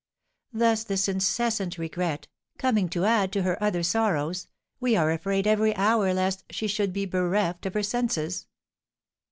Thus this incessant regret, coming to add to her other sorrows, we are afraid every hour lest she should be bereft of her senses."